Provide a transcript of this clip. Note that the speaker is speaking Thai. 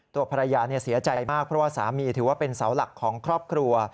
ตัวภรรยาเสียใจมากเพราะว่าสามีถือว่าเป็นเสาหลักของครอบครัว